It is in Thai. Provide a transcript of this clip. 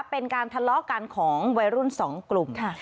เป็นการทะเลาะกันของวัยรุ่น๒กลุ่ม